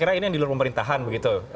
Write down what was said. kira kira ini yang diluruh pemerintahan begitu